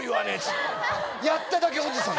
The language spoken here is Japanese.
やっただけおじさん。